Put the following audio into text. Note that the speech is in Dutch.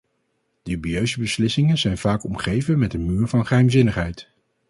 Dubieuze beslissingen zijn vaak omgeven met een muur van geheimzinnigheid.